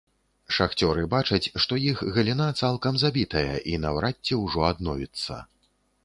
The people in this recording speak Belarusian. Шахцёры бачаць, што іх галіна цалкам забітая і наўрад ці ўжо адновіцца.